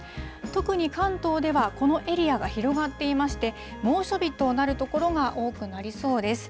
特に関東では、このエリアが広がっていまして、猛暑日となる所が多くなりそうです。